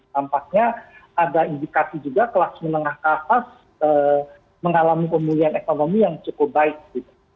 tampaknya ada indikasi juga kelas menengah ke atas mengalami pemulihan ekonomi yang cukup baik gitu